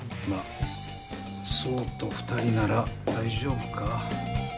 まあ奏と２人なら大丈夫か。